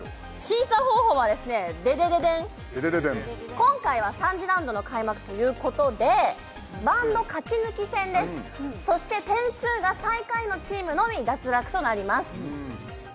今回は３次ラウンドの開幕ということでバンド勝ち抜き戦ですそして点数が最下位のチームのみ脱落となります